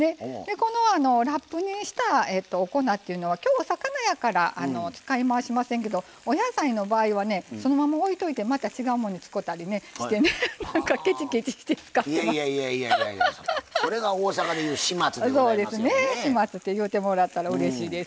このラップにした粉っていうのはきょうは魚やから使い回しませんけどお野菜の場合はそのまま置いといてまた違うもの作ったりしてねケチケチして使ってます。